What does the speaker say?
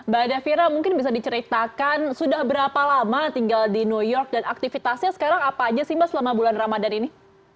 mbak davira mungkin bisa diceritakan sudah berapa lama tinggal di new york dan aktivitasnya sekarang apa aja sih mbak selama bulan ramadan ini